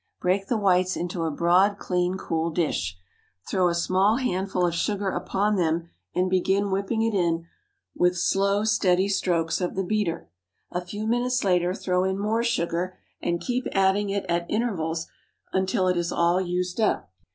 Break the whites into a broad, clean, cool dish. Throw a small handful of sugar upon them, and begin whipping it in with slow, steady strokes of the beater. A few minutes later, throw in more sugar, and keep adding it at intervals until it is all used up.